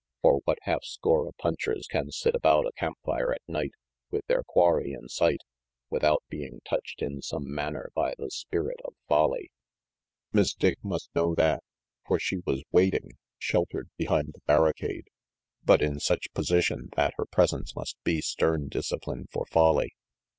For what half score of punchers can sit about a camp fire at night, with their quarry in sight, without being touched in some manner by the spirit of folly? RANGY PETE 379 Miss Dick must know that, for she was waiting, sheltered behind the barricade, but in such position that her presence must be stern discipline for folly.